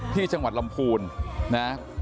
ที่จังหวัดลำพูนนะ